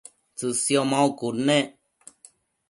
tsësio maucud nec